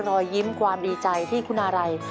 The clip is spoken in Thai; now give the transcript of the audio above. รอยยิ้มความดีใจที่คุณาลัย